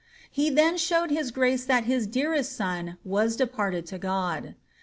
^ He then showed his grace that his dearest son was departed to God.